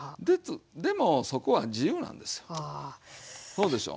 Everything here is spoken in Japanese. そうでしょ？